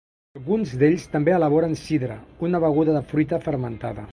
Alguns d'ells també elaboren sidra, una beguda de fruita fermentada.